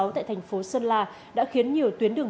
tại thành phố sơn la đã khiến nhiều tuyến đường